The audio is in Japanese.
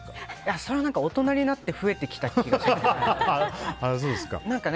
それは大人になって増えてきた気がしますね。